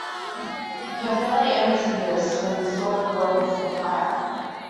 He had barely entered this when he saw the glow of a fire.